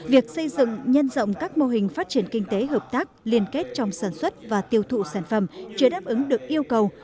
việc xây dựng nhân rộng các mô hình phát triển kinh tế hợp tác liên kết trong sản xuất và tiêu thụ sản phẩm chưa đáp ứng được yêu cầu